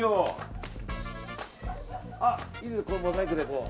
いいですよ、モザイクでこう。